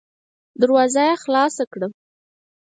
دروازه يې خلاصه کړه.